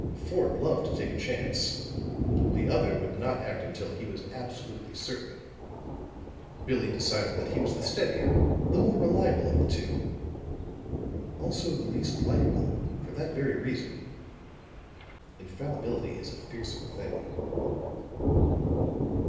Fort loved to take a chance; the other, would not act until he was absolutely certain. Billie decided that he was the steadier, the more reliable of the two; also, the least likable, for that very reason. Infallibility is a fearsome thing.